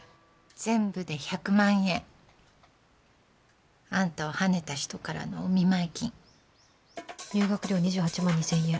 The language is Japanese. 全部で１００万円あんたをはねた人からのお見舞い金入学料２８万２０００円